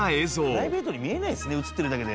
プライベートに見えないですね映ってるだけで。